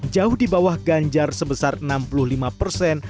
jauh di bawah ganjar sebesar enam puluh lima persen